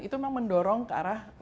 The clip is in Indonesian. itu memang mendorong ke arah